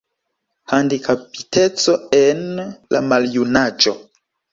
Handikapiteco en la maljunaĝo.